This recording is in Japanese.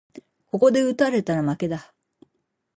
ここで打たれたら負けだ